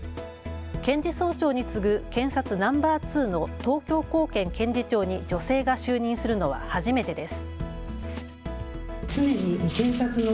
検事総長に次ぐ検察ナンバー２の東京高検検事長に女性が就任するのは初めてです。